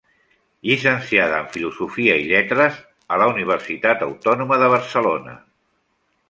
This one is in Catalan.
Llicenciada en Filosofia i Lletres en la Universitat Autònoma de Barcelona.